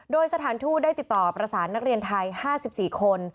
โดยสถานทูตได้ติดต่อประสานนักเรียนไทย๕๔คน